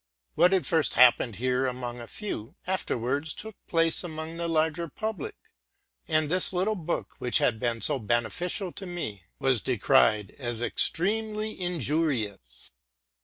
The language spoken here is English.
What had first hap pened here among a few, afterwards took place among the larger public ; and this little book, which had been so beneficial to me, was decried as extremely injurious.